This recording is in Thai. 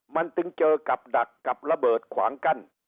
มันจึงเจอกับดักกับระเบิดขวางกั้น